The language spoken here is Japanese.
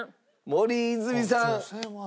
森泉さん。